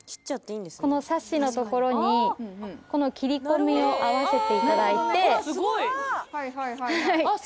このサッシのところに切り込みを合わせていただいて。